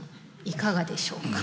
いかがでしょうか？